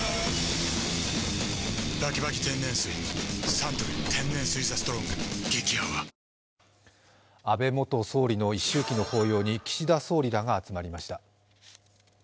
サントリー天然水「ＴＨＥＳＴＲＯＮＧ」激泡安倍元総理の一周忌の法要に岸田総理らが集まりました。